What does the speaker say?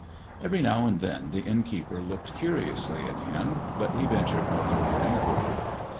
Every now and then the innkeeper looked curiously at him, but he ventured no further inquiry.